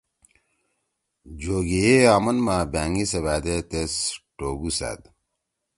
جوگی یے آمن ما بأنگی سیوأدے تیس ٹوگُو سأد۔